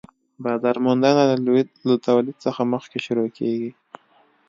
بازار موندنه له تولید څخه مخکې شروع کيږي